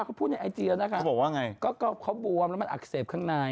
เขาบวมแล้วมันอักเสบข้างใน